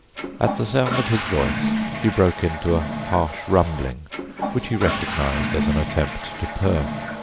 At the sound of his voice she broke into a harsh rumbling which he recognized as an attempt to purr.